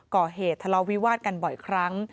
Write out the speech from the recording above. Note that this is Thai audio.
ก่อเหตุทะเลาวิวาสกันบ่อยครั้ง